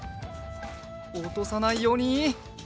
おとさないように。